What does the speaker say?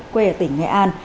quê ở tỉnh nghệ an